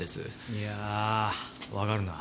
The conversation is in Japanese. いやわかるなあ。